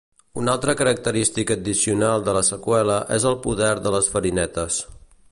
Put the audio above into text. Una altra característica addicional de la seqüela és el "poder de les farinetes".